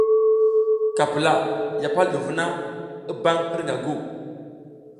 Ka pula, ya pal ɗu vuna i bam hirƞga gu.